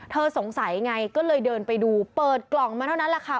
สงสัยไงก็เลยเดินไปดูเปิดกล่องมาเท่านั้นแหละค่ะ